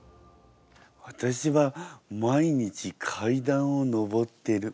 わたしは毎日階段を上ってる。